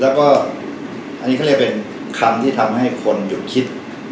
แล้วก็อันนี้เขาเรียกเป็นคำที่ทำให้คนหยุดคิด